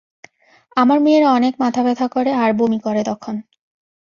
আমার মেয়ের অনেক মাথা ব্যথা করে আর বমি করে তখন।